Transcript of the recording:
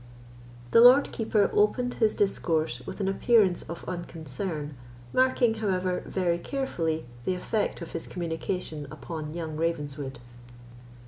The Lord Keeper opened his discourse with an appearance of unconcern, marking, however, very carefully, the effect of his communication upon young Ravenswood.